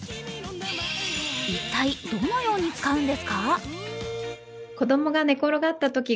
一体、どのように使うんですか？